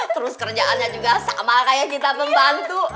terus kerjaannya juga sama kayak kita membantu